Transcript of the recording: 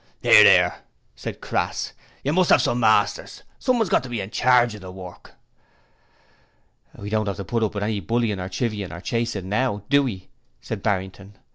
''Ear, 'ear,' said Crass. 'You must 'ave some masters. Someone's got to be in charge of the work.' 'We don't have to put up with any bullying or chivying or chasing now, do we?' said Barrington.